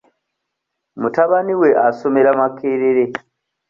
Mutabani we asomera Makerere.